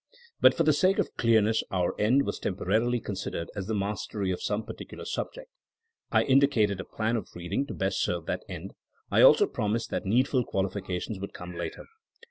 But for the sake of clearness our end was temporarily considered as the mastery of some particular subject I indicated a plan of reading to best serve that end. I also prom ised that needful qualifications would come later.